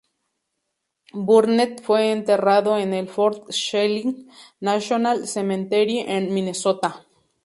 Burnett fue enterrado en el Fort Snelling National Cemetery en Minnesota.